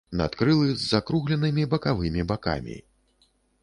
Надкрылы з закругленымі бакавымі бакамі.